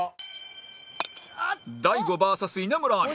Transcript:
大悟 ＶＳ 稲村亜美